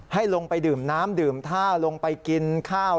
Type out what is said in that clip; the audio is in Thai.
ให้ลงไปดื่มน้ำดื่มท่าลงไปกินข้าว